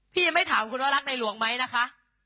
ยังไม่ถามคุณว่ารักในหลวงไหมนะคะ